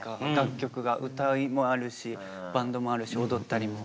歌もあるしバンドもあるし踊ったりも。